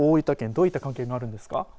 どういった関係があるんですか。